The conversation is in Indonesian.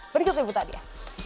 berikutnya buta dia